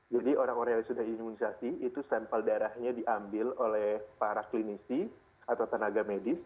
jadi orang orang yang sudah diimunisasi itu sampel darahnya diambil oleh para klinisi atau tenaga medis